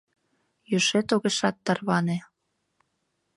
Йӱшет огешат тарване.